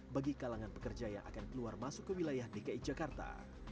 bagi kalangan pekerja yang akan keluar masuk ke wilayah dki jakarta